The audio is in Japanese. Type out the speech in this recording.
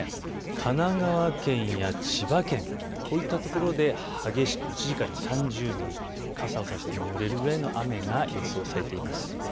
神奈川県や千葉県、こういったところで激しく１時間に３０ミリ、傘を差してもぬれるぐらいの雨が予想されています。